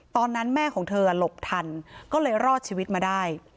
ตอนนั้นแม่ของเธอหลบทันก็เลยรอดชีวิตมาได้